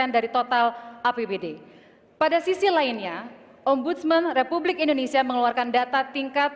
dari total apbd pada sisi lainnya ombudsman republik indonesia mengeluarkan data tingkat